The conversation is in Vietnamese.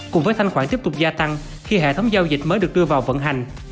cùng với thanh khoản tiếp tục gia tăng khi hệ thống giao dịch mới được đưa vào vận hành